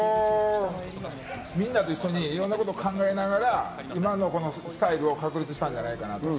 みんなと一緒にいろんなことを考えながら、今のこのスタイルを確立したんじゃないかな。